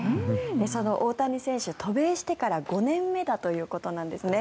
その大谷選手渡米してから５年目だということなんですね。